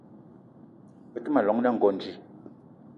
Be te ma llong na Ngonj